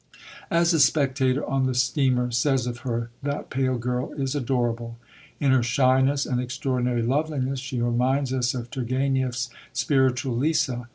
As a spectator on the steamer says of her, "that pale girl is adorable." In her shyness and extraordinary loveliness she reminds us of Turgenev's spiritual Lisa.